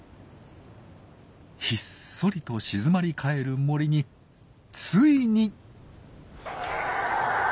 ひっそりと静まり返る森についに！